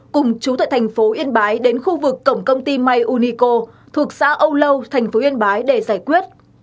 cùng chú tại thành phố yên bái đến khu vực cổng công ty may unico thuộc xã âu lâu thành phố yên bái để giải quyết